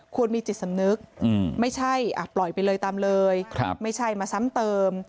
มีจิตสำนึกไม่ใช่ปล่อยไปเลยตามเลยไม่ใช่มาซ้ำเติม